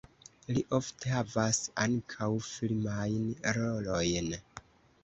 Li ofte havas ankaŭ filmajn rolojn.